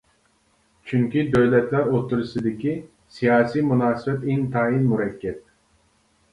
چۈنكى، دۆلەتلەر ئوتتۇرىسىدىكى سىياسىي مۇناسىۋەت ئىنتايىن مۇرەككەپ.